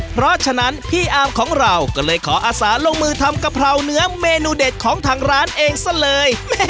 เพราะฉะนั้นพี่อาร์มของเราก็เลยขออาสาลงมือทำกะเพราเนื้อเมนูเด็ดของทางร้านเองซะเลย